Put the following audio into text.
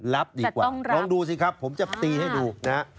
รับดีกว่าลองดูสิครับผมจะตีให้ดูนะฮะ